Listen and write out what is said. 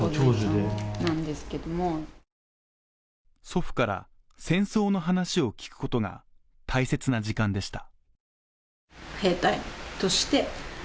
祖父から戦争の話を聞くことが大切な時間でした。